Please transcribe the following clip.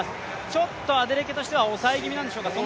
ちょっとアデレケとしては抑え気味なんでしょうか。